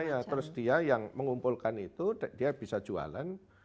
iya terus dia yang mengumpulkan itu dia bisa jualan